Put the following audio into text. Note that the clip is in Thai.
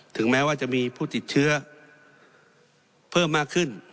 แม้ว่าจะมีผู้ติดเชื้อเพิ่มมากขึ้น